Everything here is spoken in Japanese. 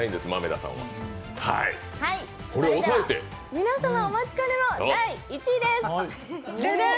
皆様お待ちかねの１位です。